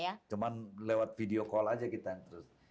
iya cuma lewat video call aja kita terus